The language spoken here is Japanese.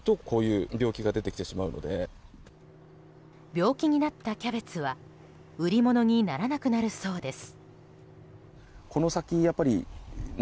病気になったキャベツは売り物にならなくなるそうです。